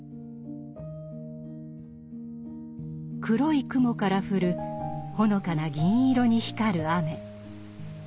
黒い雲からふるほのかな銀色に光る雨。